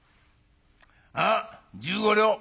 ああ１５両。